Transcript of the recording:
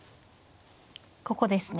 ここですね。